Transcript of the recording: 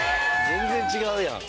全然違うやん。